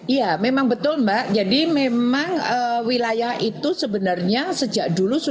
iya memang betul mbak jadi memang wilayah itu sebenarnya sejak dulu